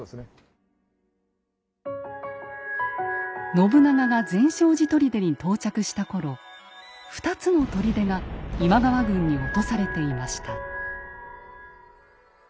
信長が善照寺砦に到着した頃２つの砦が今川軍に落とされていました。